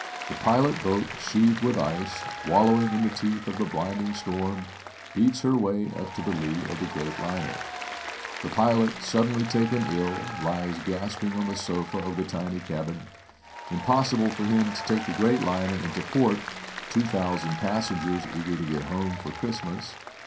The pilot boat, sheathed with ice, wallowing in the teeth of the blinding storm, beats her way up to the lee of the great liner. The pilot, suddenly taken ill, lies gasping on the sofa of the tiny cabin. Impossible for him to take the great liner into port; 2,000 passengers eager to get home for Christmas.